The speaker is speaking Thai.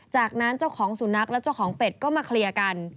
จากนั้นเจ้าของสุนัขและเจ้าของเป็ดก็มาเคลียร์กัน